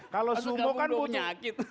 kalau sumo kan bunyakit